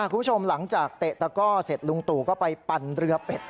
คุณผู้ชมหลังจากเตะตะก้อเสร็จลุงตู่ก็ไปปั่นเรือเป็ด